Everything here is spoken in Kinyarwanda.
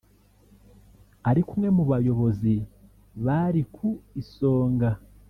ariko umwe mu bayobozi bari ku isonga